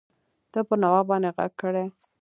ده پر نواب باندي ږغ کړی.